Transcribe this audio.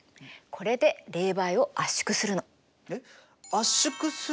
これで冷媒を圧縮するの。